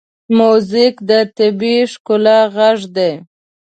موزیک د طبیعي ښکلا غږ دی.